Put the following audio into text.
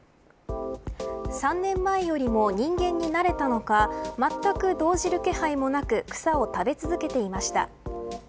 ３年前よりも人間に慣れたのかまったく動じる気配もなく草を食べ続けていました。